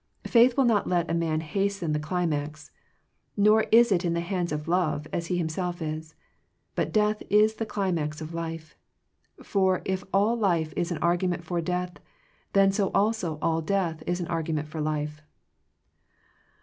Faith will not let a man hasten the cli max; for it is in the hands of love, as he himself is. But death is the climax of life. For if all life is an argument for death, then so also all death is an argu ment for life.